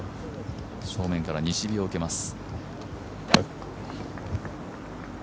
正面から西日を受けます。